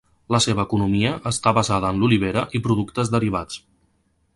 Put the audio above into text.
La seva economia està basada en l'olivera i productes derivats.